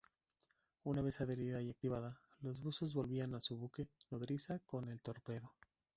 Una vez adherida y activada, los buzos volvían a su buque-nodriza con el torpedo.